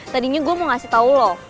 tadinya gue mau kasih tahu lo